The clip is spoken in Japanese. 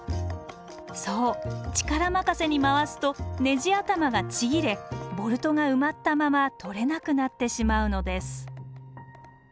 そう力任せに回すとネジ頭がちぎれボルトが埋まったまま取れなくなってしまうのです。